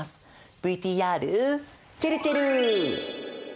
ＶＴＲちぇるちぇる。